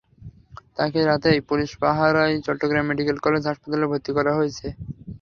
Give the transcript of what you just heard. তাঁকে রাতেই পুলিশ পাহারায় চট্টগ্রাম মেডিকেল কলেজ হাসপাতালে ভর্তি করা হয়েছে।